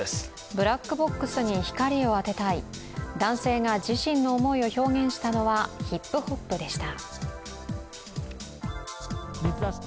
ブラックボックスに光を当てたい男性が自身の思いを表現したのはヒップホップでした。